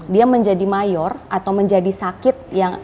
dia menjadi mayor atau menjadi sakit